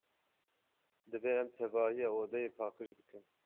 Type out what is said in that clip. Divê em tevahiya odeyê paqij bikin.